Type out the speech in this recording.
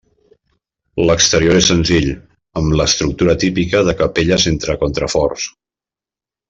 L'exterior és senzill, amb l'estructura típica de capelles entre contraforts.